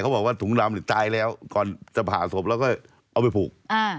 บอกว่าถุงดำตายแล้วก่อนจะผ่าศพแล้วก็เอาไปผูก